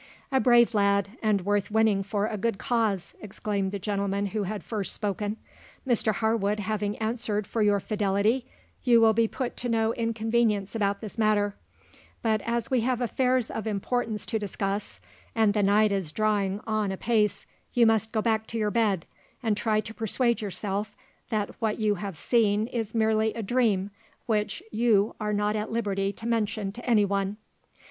"A brave lad, and worth winning for a good cause!" exclaimed the gentleman who had first spoken. "Mr Harwood having answered for your fidelity, you will be put to no inconvenience about this matter, but as we have affairs of importance to discuss, and the night is drawing on apace, you must go back to your bed, and try to persuade yourself that what you have seen is merely a dream which you are not at liberty to mention to any one."